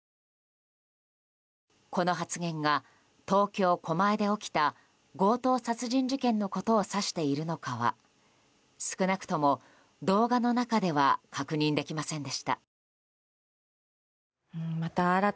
この発言が東京・狛江で起きた強盗殺人事件のことを指しているのかは少なくとも動画の中では確認できませんでした。